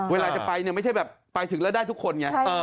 เวลาจะไปเนี่ยไม่ใช่แบบไปถึงแล้วได้ทุกคนไง